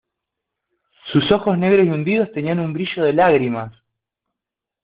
sus ojos negros y hundidos tenían un brillo de lágrimas.